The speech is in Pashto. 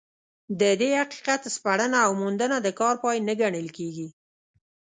د دې حقیقت سپړنه او موندنه د کار پای نه ګڼل کېږي.